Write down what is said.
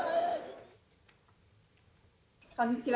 こんにちは。